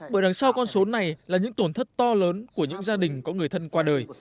bởi đằng sau con số này là những tổn thất to lớn của những gia đình có người thân qua đời